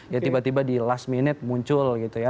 ya tiba tiba di last minute muncul gitu ya